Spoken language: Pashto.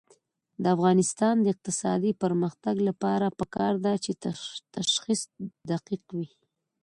د افغانستان د اقتصادي پرمختګ لپاره پکار ده چې تشخیص دقیق وي.